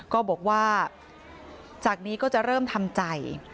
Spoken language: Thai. ก็บอกว่าจากนี้ก็จะเริ่มทำใจ